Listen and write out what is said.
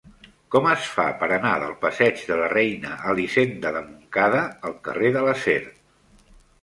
Com es fa per anar del passeig de la Reina Elisenda de Montcada al carrer de l'Acer?